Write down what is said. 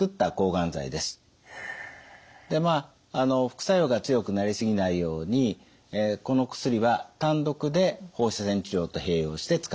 副作用が強くなりすぎないようにこの薬は単独で放射線治療と併用して使っています。